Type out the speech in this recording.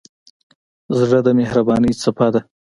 زړه د مهربانۍ څپه ده.